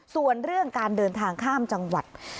ส่วนเรื่องการเดินทางข้ามจังหวัด